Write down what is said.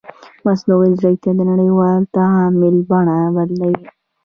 مصنوعي ځیرکتیا د نړیوال تعامل بڼه بدلوي.